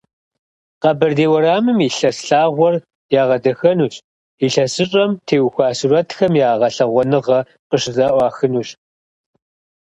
Къэбэрдей уэрамым и лъэс лъагъуэр ягъэдахэнущ, ИлъэсыщӀэм теухуа сурэтхэм я гъэлъэгъуэныгъэ къыщызэӀуахынущ.